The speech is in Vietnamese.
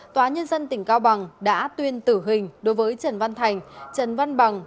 tòa nhân dân tỉnh cao bằng đã tuyên tử hình đối với trần văn thành trần văn bằng